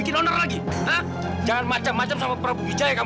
jangan macam macam kamu ya